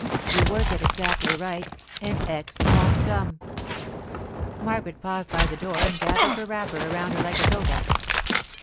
You work it exactly right and x won't come.' Margaret paused by the door and gathered her wrapper around her like a toga.